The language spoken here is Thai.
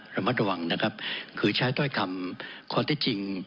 ระมัดระวังนะครับคือใช้ถ้อยคำข้อที่จริง